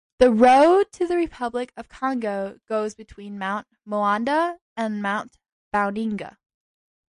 The road to the Republic of Congo goes between Mount Moanda and Mount Boundinga.